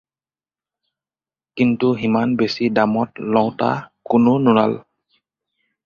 কিন্তু সিমান বেচি দামত লওঁতা কোনো নোলাল।